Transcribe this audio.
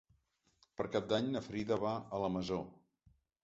Per Cap d'Any na Frida va a la Masó.